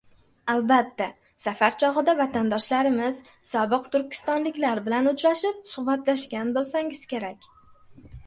— Albatta, safar chog‘ida vatandoshlarimiz — sobiq turkistonliklar bilan uchrashib, suhbatlashgan bo‘lsangiz kerak.